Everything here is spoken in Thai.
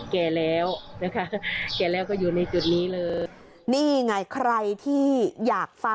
แก่แล้วนะคะแก่แล้วก็อยู่ในจุดนี้เลย